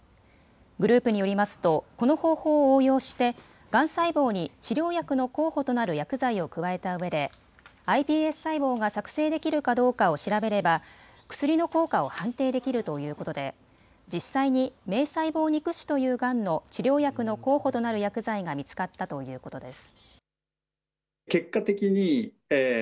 グループによりますとこの方法を応用して、がん細胞に治療薬の候補となる薬剤を加えたうえでｉＰＳ細胞が作製できるかどうかを調べれば薬の効果を判定できるということで実際に明細胞肉腫というがんの治療薬の候補となる薬剤が見つかったということです。